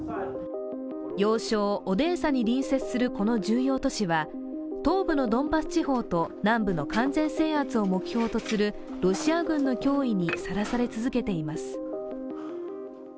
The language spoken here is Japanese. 要衝、オデーサに隣接するこの重要都市は東部のドンバス地方と南部の完全制圧を目標とするロシア軍の脅威にさらされ続けています。